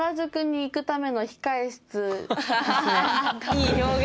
いい表現。